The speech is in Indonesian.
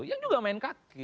yang juga main kaki